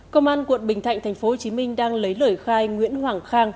công an quận bình thạnh tp hcm đang lấy lời khai nguyễn hoàng khang